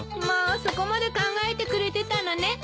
まあそこまで考えてくれてたのね。